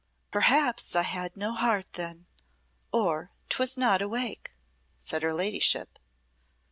"Perhaps I had no heart then, or 'twas not awake," said her ladyship.